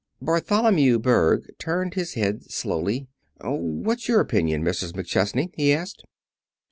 Bartholomew Berg turned his head slowly. "What's your opinion, Mrs. McChesney?" he asked.